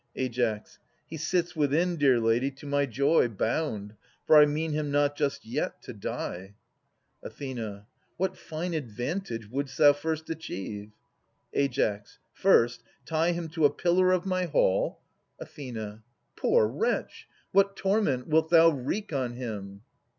Ai. He sits within, dear lady, to my joy, Bound ; for I mean him not just yet to die. Ath. What fine advantage wouldst thou first achieve ? Ai. First, tie him to a pillar of my hall — 109 133] At'as 57 Ath. Poor wretch ! What torment wilt thou wreak on him?